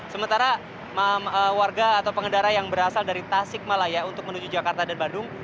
sementara warga atau pengendara yang berasal dari tasik malaya untuk menuju jakarta dan bandung